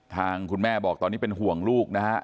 ทางคุณแม่บอกตอนนี้เป็นห่วงลูกนะฮะ